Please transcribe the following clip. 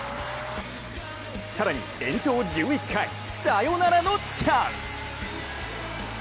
更に延長１１回、サヨナラのチャンス。